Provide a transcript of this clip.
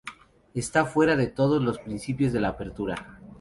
Está fuera de todos los principios de la apertura.